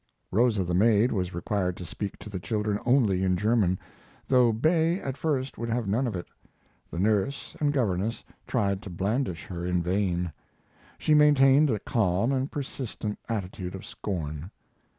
Rosa, the maid, was required to speak to the children only in German, though Bay at first would have none of it. The nurse and governess tried to blandish her, in vain. She maintained a calm and persistent attitude of scorn.